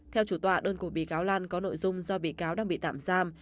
theo chủ tọa đơn của bị cáo lan có nội dung do bị cáo đang bị tạm giam